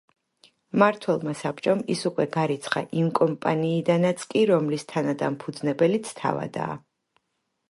მმართველთა საბჭომ ის უკვე გარიცხა იმ კომპანიიდანაც კი, რომლის თანადამფუძნებელიც თავადაა.